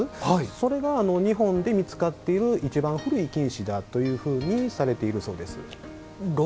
それが、日本で見つかっている一番古い金糸だというふうにされているそうです。